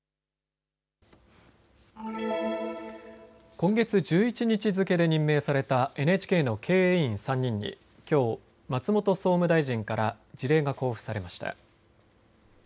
今月１１日付けで任命されたＮＨＫの経営委員３人にきょう松本総務大臣から辞令が交付されました。